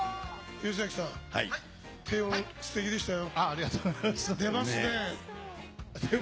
吉崎さん、低音、すてきでしたよ。